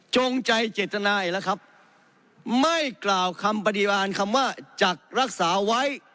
จงใจเจตนาอีกแล้วครับไม่กล่าวคำปฏิบาลคำว่าจักรักษาไว้